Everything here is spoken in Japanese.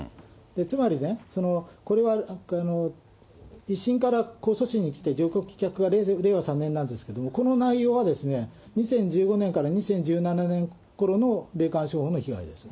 つまりね、これは１審から控訴審にきて、上告棄却が令和３年なんですけど、この内容は２０１５年から２０１７年ころの霊感商法の被害です。